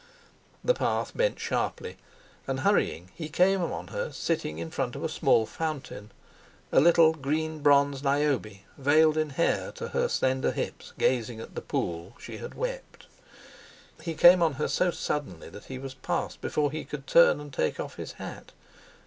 The path bent sharply, and, hurrying, he came on her sitting in front of a small fountain—a little green bronze Niobe veiled in hair to her slender hips, gazing at the pool she had wept: He came on her so suddenly that he was past before he could turn and take off his hat.